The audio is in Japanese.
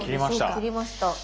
切りました。